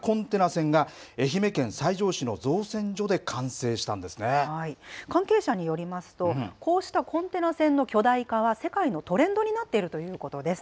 船が愛媛県西条市の造船所で関係者によりますとこうしたコンテナ船の巨大化は世界のトレンドになっているということです。